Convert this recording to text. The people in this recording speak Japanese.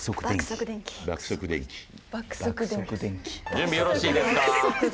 準備よろしいですか？